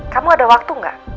kamu ada waktu gak